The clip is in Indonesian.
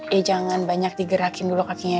ya jangan banyak digerakin dulu kakinya